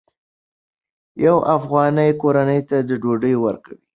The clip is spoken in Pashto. یوه افغاني کورنۍ ته ډوډۍ ورکوئ.